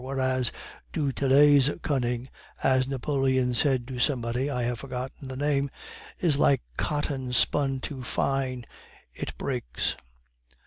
Whereas du Tillet's cunning, as Napoleon said to somebody (I have forgotten the name), is like cotton spun too fine, it breaks."